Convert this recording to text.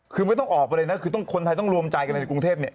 คือไม่ต้องออกไปเลยนะคือต้องคนไทยต้องรวมใจกันในกรุงเทพเนี่ย